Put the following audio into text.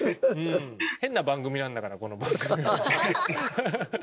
変な番組なんだからこの番組は。